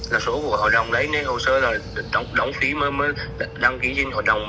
là số của hội đồng đấy nên hồ sơ là đóng phí mới đăng ký trên hội đồng